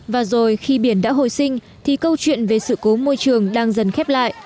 và rồi khi biển đã hồi sinh thì câu chuyện về sự cố môi trường đang dần khép lại